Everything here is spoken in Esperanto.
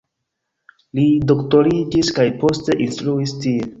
Li doktoriĝis kaj poste instruis tie.